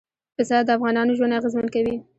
پسه د افغانانو ژوند اغېزمن کوي.